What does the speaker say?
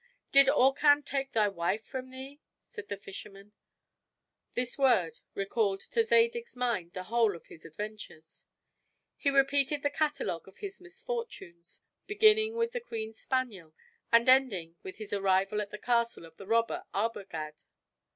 "Did Orcan take thy wife from thee?" said the fisherman. This word recalled to Zadig's mind the whole of his adventures. He repeated the catalogue of his misfortunes, beginning with the queen's spaniel, and ending with his arrival at the castle of the robber Arbogad.